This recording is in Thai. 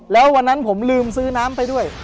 แล้ววันนั้นผมลืมซื้อน้ำไปด้วย